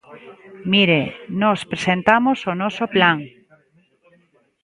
Mire, nós presentamos o noso plan.